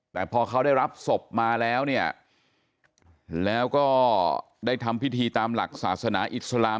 แต่พอเขาได้รับศพมาแล้วเนี่ยแล้วก็ได้ทำพิธีตามหลักศาสนาอิสลาม